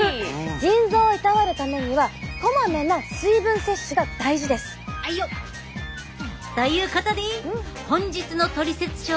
腎臓をいたわるためにはこまめな水分摂取が大事です。ということで本日の「トリセツショー」はこちらでお開き。